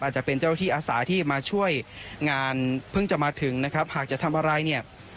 จะเป็นเจ้าที่อาสาที่มาช่วยงานเพิ่งจะมาถึงนะครับหากจะทำอะไรเนี่ย